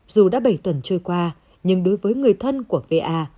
dù đã bảy tuần trôi qua nhưng đối với người thân của v a